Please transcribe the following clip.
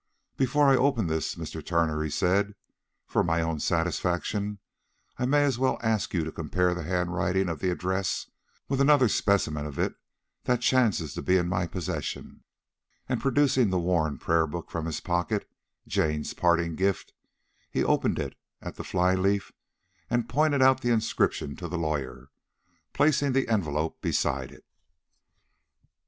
"Before I open this, Mr. Turner," he said, "for my own satisfaction I may as well ask you to compare the handwriting of the address with another specimen of it that chances to be in my possession"; and producing the worn prayer book from his pocket—Jane's parting gift—he opened it at the fly leaf, and pointed out the inscription to the lawyer, placing the envelope beside it.